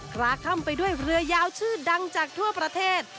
คลาค่ำไปด้วยเรือยาวชื่อดังจากทั่วประเทศ